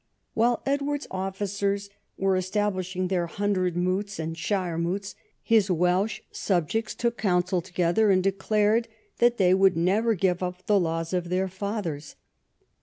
While Edward's officers were establishing their hundredmoots and their shiremoots, his Welsh subjects took counsel together and declared that they would never give up the laws of their fathers.